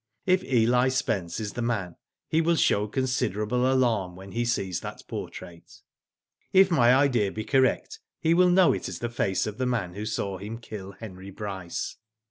If Eli Spence is the man he will show considerable alarm when he sees that portrait. *Mf my idea be correct he will know it is the face of the man who saw him kill Henry Bryce.